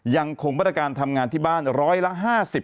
ยังคงมาตรการทำงานที่บ้านร้อยละ๕๐